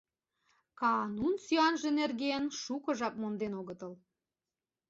Каанун сӱанже нерген шуко жап монден огытыл.